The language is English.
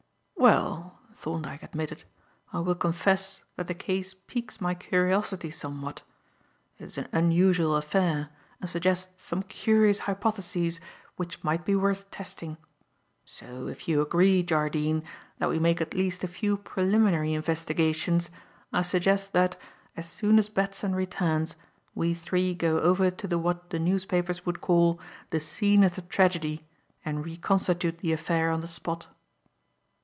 "Well," Thorndyke admitted, "I will confess that the case piques my curiosity somewhat. It is an unusual affair and suggests some curious hypotheses which might be worth testing. So, if you agree, Jardine, that we make at least a few preliminary investigations, I suggest that, as soon as Batson returns, we three go over to the what the newspapers would call 'the scene of the tragedy' and reconstitute the affair on the spot."